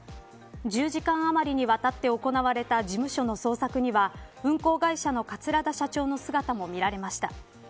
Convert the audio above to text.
１０時間あまりに渡って行われた事務所の捜索には運航会社の桂田社長の姿も見られました。